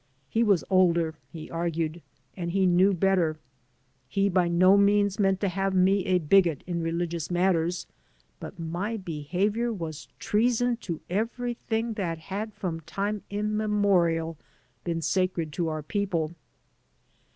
He was older, he argued, and he knew better. He by no means meant to have me a bigot in religious matters, but my behavior was treason to everything that had from time imme morial been sacred to our people.